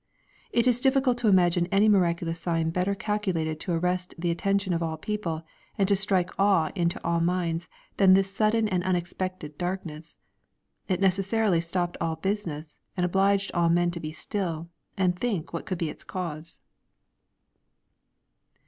It is difficult to imagine any miraculous sign better calculated to arrest the attention of all people, and to strike awe into all minds than this sudden and unexpected darkness. It necessarily stopped all business, and obliged all men to be still, and think what could be its cause.